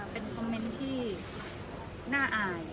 เป็นคอมเมนต์ที่น่าอาย